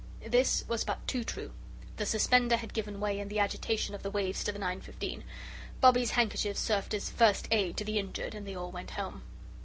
This was but too true. The suspender had given way in the agitation of the waves to the 9.15. Bobbie's handkerchief served as first aid to the injured, and they all went home.